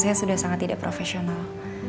saya sudah sangat tidak profesional